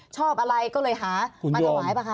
ชอบอะไรก็เลยหามาถวายป่ะคะ